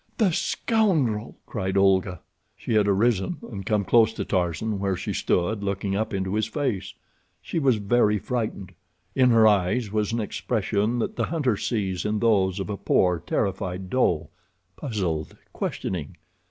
"The scoundrel!" cried Olga. She had arisen, and come close to Tarzan, where she stood looking up into his face. She was very frightened. In her eyes was an expression that the hunter sees in those of a poor, terrified doe—puzzled—questioning.